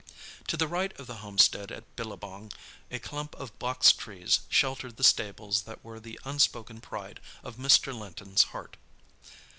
To the right of the homestead at Billabong a clump of box trees sheltered the stables that were the unspoken pride of Mr. Linton's heart.